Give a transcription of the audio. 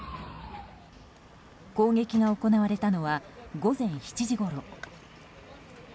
攻撃が行われたのは午前７時ごろ。